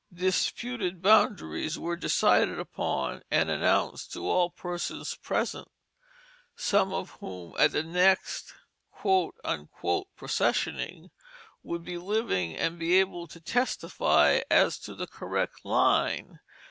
Disputed boundaries were decided upon and announced to all the persons present, some of whom at the next "processioning" would be living and be able to testify as to the correct line.